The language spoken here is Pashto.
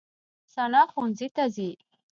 ثنا ښوونځي ته ځي.